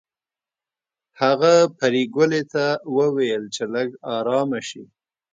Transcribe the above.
هغه پريګلې ته وویل چې لږه ارامه شي